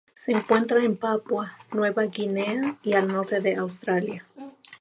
Se encuentra en Papúa Nueva Guinea y al norte de Australia.